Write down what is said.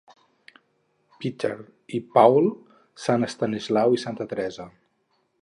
Peter i Paul, Sant Estanislau, i Santa Teresa.